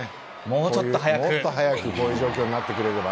もうちょっと早くこういう状況になってくれれば。